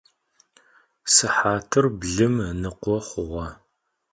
Sıhatır blım ınıkho xhuğe.